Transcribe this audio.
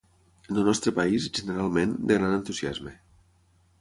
En el nostre país, generalment, de gran entusiasme.